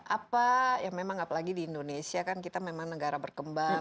apa ya memang apalagi di indonesia kan kita memang negara berkembang